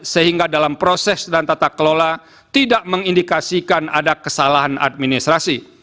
sehingga dalam proses dan tata kelola tidak mengindikasikan ada kesalahan administrasi